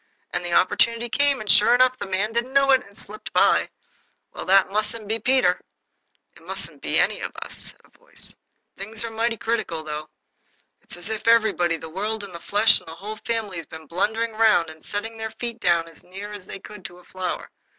And the opportunity came, and, sure enough, the man didn't know it, and it slipped by. Well, that mustn't be Peter." "It musn't be any of us," said a voice. "Things are mighty critical, though. It's as if everybody, the world and the flesh and the Whole Family, had been blundering round and setting their feet down as near as they could to a flower.